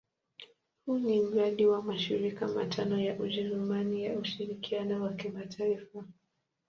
Huu ni mradi wa mashirika matano ya Ujerumani ya ushirikiano wa kimataifa.